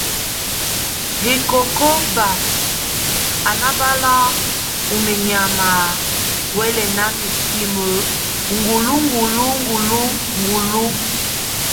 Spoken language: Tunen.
Hikokó bat, a nábal ó menyama wɛ́lɛna mikim ŋgulu ŋgulu ŋgulu ŋgulu.